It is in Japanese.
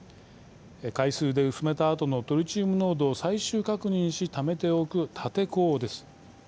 海水で薄めたあとのトリチウム濃度を最終確認しためておく立て坑です。